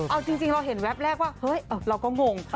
เอาจริงเราเห็นแวบแรกว่าเฮ้ยเราก็งง